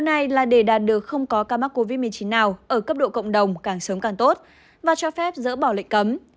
các nhà chức trách ở quận từ hối đã nhận được không có ca mắc covid một mươi chín nào ở cấp độ cộng đồng càng sớm càng tốt và cho phép dỡ bỏ lệnh cấm